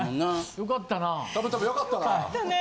よかったね。